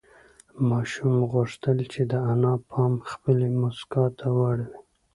ماشوم غوښتل چې د انا پام خپلې مسکا ته واړوي.